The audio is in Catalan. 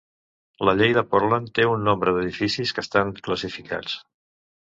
La llei de Portland té un nombre d'edificis que estan classificats.